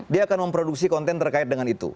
dia akan memproduksi konten terkait dengan itu